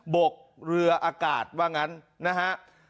บกเรืออากาศว่างั้นนะฮะ